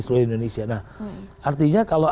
seluruh indonesia artinya kalau